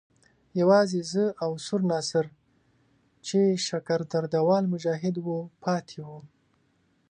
یوازې زه او سور ناصر چې شکر درده وال مجاهد وو پاتې وو.